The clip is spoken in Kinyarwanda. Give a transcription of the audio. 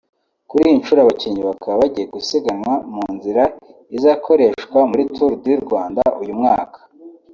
Kuri iyi nshuro abakinnyi bakaba bagiye gusiganwa mu nzira izakoreshwa muri Tour du Rwanda uyu mwaka